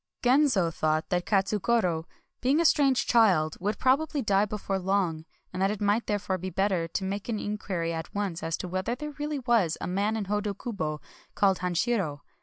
Genzo thought that Katsugoro, being a strange child, would probably die before long, and that it might therefore be better to make in quiry at once as to whether there really was a man in Hodokubo called Hanshiro.